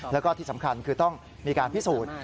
แล้วก็ที่สำคัญคือต้องมีการพิสูจน์